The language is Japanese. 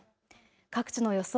各地の予想